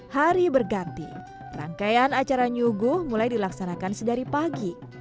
hari berganti rangkaian acara nyuguh mulai dilaksanakan sedari pagi